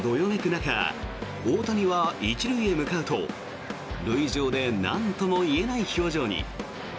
中大谷は１塁へ向かうと塁上でなんとも言えない表情に。